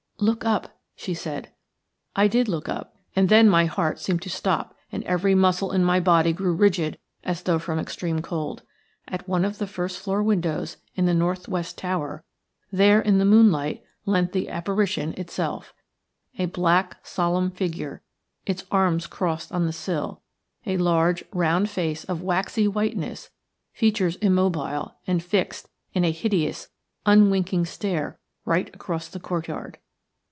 "Look up," she said. I did look up, and then my heart seemed to stop and every muscle in my body grew rigid as though from extreme cold. At one of the first floor windows in the north west tower, there in the moonlight leant the apparition itself: a black, solemn figure – its arms crossed on the sill – a large, round face of waxy whiteness, features immobile and fixed in a hideous, unwinking stare right across the courtyard.